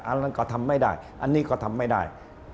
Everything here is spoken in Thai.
อันนั้นก็ทำไม่ได้อันนี้ก็ทำไม่ได้